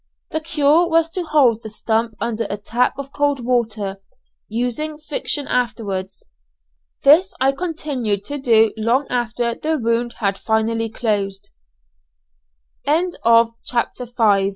The cure was to hold the stump under a tap of cold water, using friction afterwards. This I continued to do long after the wound had finally closed. CHAPTER VI. I